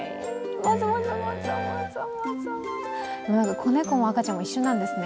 もさもさなんか、子猫も赤ちゃんも一緒なんですね。